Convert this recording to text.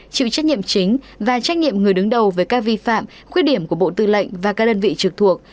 chịu trách nhiệm chính và trách nhiệm người đứng đầu về các vi phạm khuyết điểm của bộ tư lệnh và các đơn vị trực thuộc